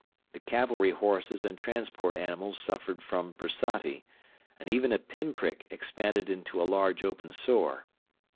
The cavalry horses and transport animals suffered from bursati, and even a pinprick expanded into a large open sore.